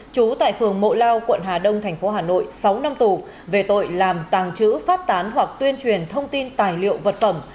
trú tại phường mộ lao quận hà đông tp hà nội sáu năm tù về tội làm tàng trữ phát tán hoặc tuyên truyền thông tin tài liệu vật phẩm